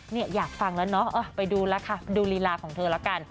เนี่ยอยากฟังแล้วเนาะไปดูลิลาหละค่ะ